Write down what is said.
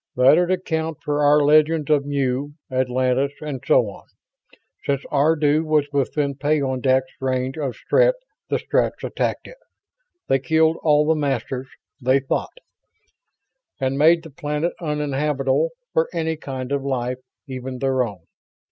That'd account for our legends of Mu, Atlantis and so on. Since Ardu was within peyondix range of Strett, the Stretts attacked it. They killed all the Masters, they thought, and made the planet uninhabitable for any kind of life, even their own.